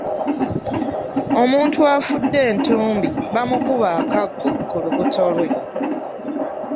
Omuntu afudde entumbi bamukuba akaggo ku lubuto lwe.